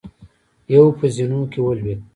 يو په زينو کې ولوېد.